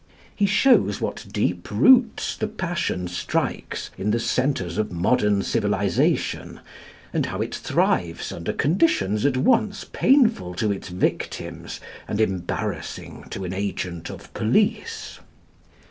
He shows what deep roots the passion strikes in the centres of modern civilisation, and how it thrives under conditions at once painful to its victims and embarrassing to an agent of police.